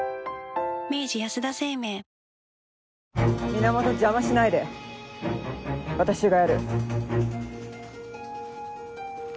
源邪魔しないで私がやる。